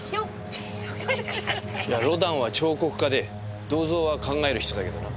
いやロダンは彫刻家で銅像は『考える人』だけどな。